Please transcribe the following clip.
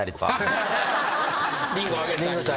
リンゴあげたり。